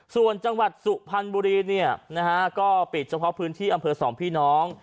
ส่วนจังหวัดสุพรรณบุรีเนี่ยนะฮะก็ปิดเฉพาะพื้นที่อำเภอสองพี่น้อง